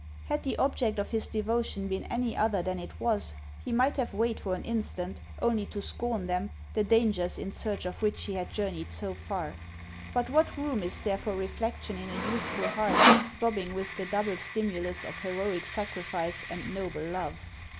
Had the object of his devotion been any other than it was, he might have weighed for an instant, only to scorn them, the dangers in search of which he had journeyed so far ; but what room is there for reflection in a youthful heart throbbing with the double stimulus of heroic sacrifice and noble love